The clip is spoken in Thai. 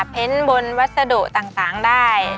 เพ้นบนวัสดุต่างได้